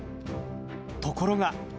ところが。